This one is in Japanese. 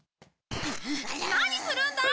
何するんだ！